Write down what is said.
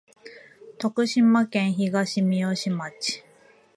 徳島県東みよし町